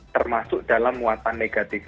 termasuk dalam muatan negatif